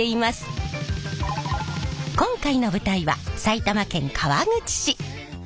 今回の舞台は埼玉県川口市。